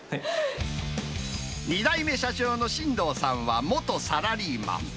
２代目社長の新藤さんは元サラリーマン。